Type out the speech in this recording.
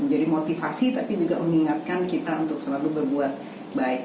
jadi motivasi tapi juga mengingatkan kita untuk selalu berbuat baik